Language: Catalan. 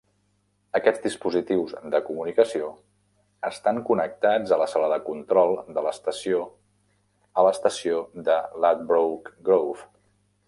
Aquests dispositius de comunicació estan connectats a la sala de control de l'estació a l'estació de Ladbroke Grove.